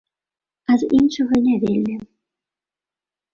А з іншага не вельмі.